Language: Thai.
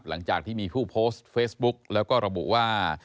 หลังจากที่มีผู้โพสต์เฟซบุ๊กแล้วก็ระบุว่า